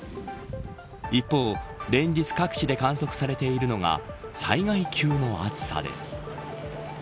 一方、連日各地で観測されているのが災害級の暑さです。